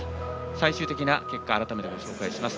最終的な結果を改めてご紹介します。